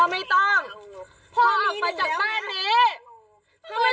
ได้แลกกับเงินให้กี่บาน๕๐๐ไอ้